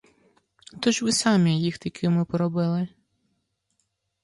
То ж ви самі їх такими поробили.